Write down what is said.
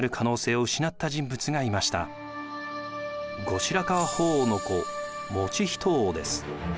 後白河法皇の子以仁王です。